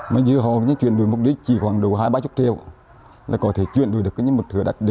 mà như họ chuyển đổi mục đích chỉ khoảng đủ hai ba chục triệu là có thể chuyển đổi được những mục thừa đặc điệu